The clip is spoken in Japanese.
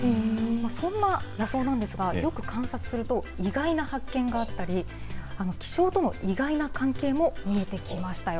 そんな野草なんですが、よく観察すると、意外な発見があったり、気象との意外な関係も見えてきましたよ。